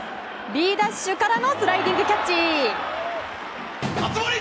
Ｂダッシュからのスライディングキャッチ。